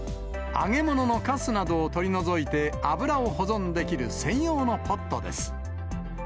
揚げ物のかすなどを取り除いて、油を保存できる専用のポットです。